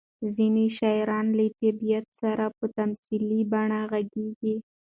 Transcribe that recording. ځینې شاعران له طبیعت سره په تمثیلي بڼه غږېږي.